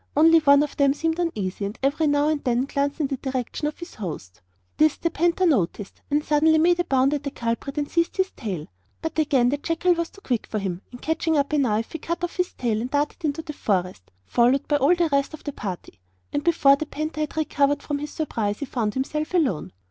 Only one of them seemed uneasy, and every now and then glanced in the direction of his host. This the panther noticed, and suddenly made a bound at the culprit and seized his tail; but again the jackal was too quick for him, and catching up a knife he cut off his tail and darted into the forest, followed by all the rest of the party. And before the panther had recovered from his surprise he found himself alone.